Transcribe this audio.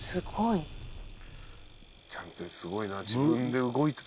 すごい。